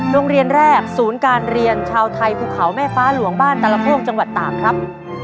โรงเรียนแรกศูนย์การเรียนชาวไทยภูเขาแม่ฟ้าหลวงบ้านตลโพกจังหวัดตากครับ